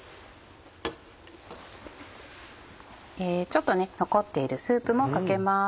ちょっとね残っているスープもかけます。